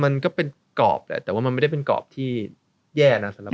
มันก็เป็นกรอบแหละแต่ว่ามันไม่ได้เป็นกรอบที่แย่นะสำหรับ